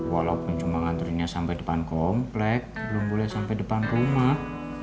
walaupun cuma ngantrinya sampai depan komplek belum boleh sampai depan rumah